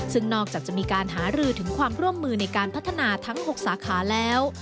ซึ่งนอกจากจะมีการหารือถึงความร่วมมือในการพัฒนาทั้ง๖สาขาแล้ว